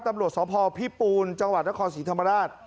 ตำรวจสอบพอพี่ปูนจังหวัดนครศรีธรรมดาต์